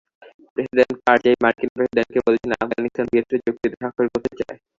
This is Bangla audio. প্রেসিডেন্ট কারজাই মার্কিন প্রেসিডেন্টকে বলেছেন, আফগানিস্তান বিএসএ চুক্তিতে স্বাক্ষর করতে চায়।